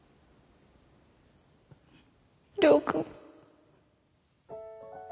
亮君。